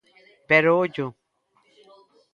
Pero, ollo.